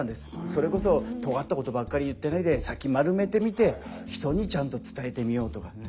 それこそとがったことばっかり言ってないで先丸めてみて人にちゃんと伝えてみようとか。